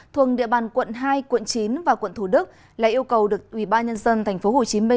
thuần địa bàn quận hai quận chín và quận thủ đức là yêu cầu được ubnd tp hcm